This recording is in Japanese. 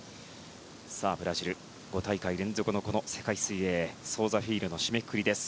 ブラジル、５大会連続の世界水泳ソウザフィーリョの締めくくり。